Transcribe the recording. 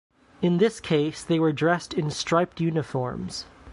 In this case they were dressed in striped uniforms.